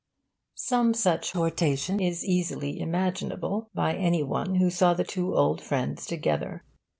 Some such hortation is easily imaginable by any one who saw the two old friends together.